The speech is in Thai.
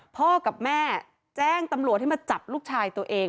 พ่อกับแม่แจ้งตำรวจให้มาจับลูกชายตัวเอง